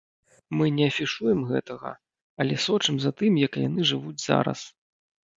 Мы не афішуем гэтага, але сочым за тым, як яны жывуць зараз.